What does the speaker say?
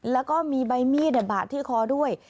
แล้วก็มีใบมีดบาดที่คอด้วย